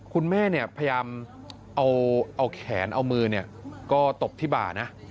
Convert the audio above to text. คุณแม่พยายามเอาแขนเอามือก็ตบที่บ่านะ